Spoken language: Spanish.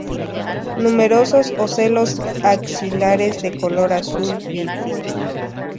Numerosos ocelos axilares de color azul vivo.